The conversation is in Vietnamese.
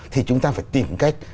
thì chúng ta phải tìm cách